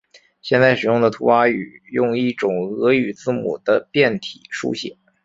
现在使用的图瓦语用一种俄语字母的变体书写。